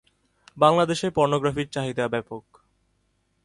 বাংলাদেশে পর্নোগ্রাফির চাহিদা ব্যাপক।